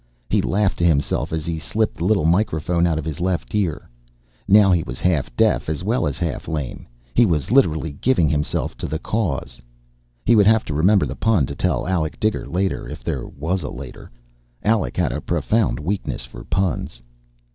He laughed to himself as he slipped the little microphone out of his left ear. Now he was half deaf as well as half lame he was literally giving himself to this cause. He would have to remember the pun to tell Alec Diger later, if there was a later. Alec had a profound weakness for puns.